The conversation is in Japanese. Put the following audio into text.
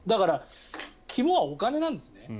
肝はお金なんですね。